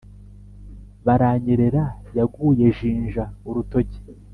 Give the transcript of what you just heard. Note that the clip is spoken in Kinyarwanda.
Baranyerera yaguye Jinja urutoki